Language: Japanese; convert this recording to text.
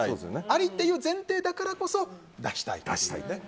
ありという前提だからこそ出したい。